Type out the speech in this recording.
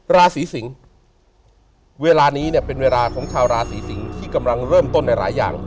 ราศีสิงศ์เวลานี้เนี่ยเป็นเวลาของชาวราศีสิงศ์ที่กำลังเริ่มต้นในหลายอย่าง